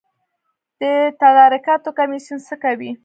د تدارکاتو کمیسیون څه کوي؟